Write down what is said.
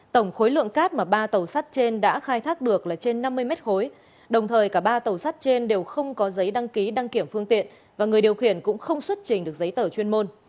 tổng khối lượng cát mà ba tàu sắt trên đã khai thác được là trên năm mươi mét khối đồng thời cả ba tàu sắt trên đều không có giấy đăng ký đăng kiểm phương tiện và người điều khiển cũng không xuất trình được giấy tờ chuyên môn